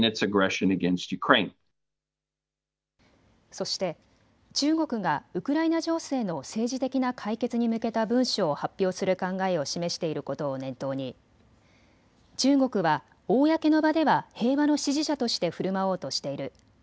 そして中国がウクライナ情勢の政治的な解決に向けた文書を発表する考えを示していることを念頭に中国は公の場では平和の支持者としてふるまおうとしている。